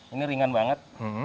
ini ringan banget